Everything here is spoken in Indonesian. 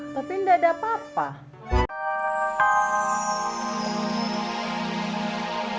tapi tidak ada apa apa